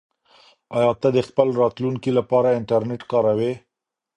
آیا ته د خپل راتلونکي لپاره انټرنیټ کاروې؟